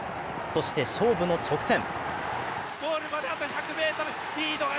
そして勝負の直線。